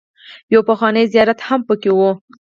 يو پخوانی زيارت هم پکې و.